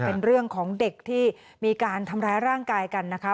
เป็นเรื่องของเด็กที่มีการทำร้ายร่างกายกันนะคะ